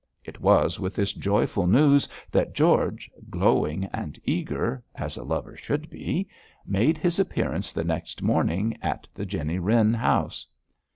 It was with this joyful news that George, glowing and eager, as a lover should be, made his appearance the next morning at the Jenny Wren house.